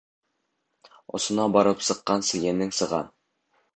Осона барып сыҡҡансы йәнең сыға.